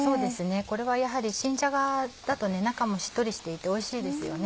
これはやはり新じゃがだと中もしっとりしていておいしいですよね。